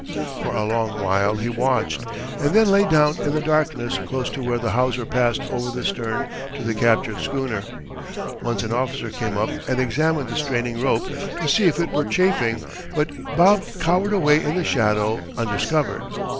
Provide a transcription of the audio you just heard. For a long while he watched, and then lay down in the darkness close to where the hawser passed over the stern to the captured schooner. Once an officer came up and examined the straining rope to see if it were chafing, but Bub cowered away in the shadow undiscovered.